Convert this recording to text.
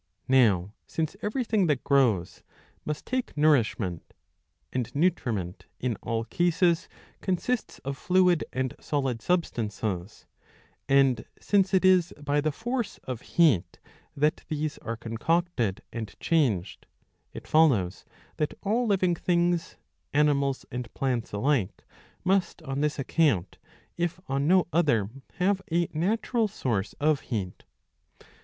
Now since everything that grows must take nourishment, and nutriment in all cases consists of fluid and solid substances, and since it is by the force of heat that these are concocted^ and changed, it follows that all living things, animals and plants alike, must on this account if on no other have a natural source of heat.